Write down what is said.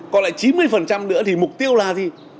còn lại chín mươi nữa thì mục tiêu là gì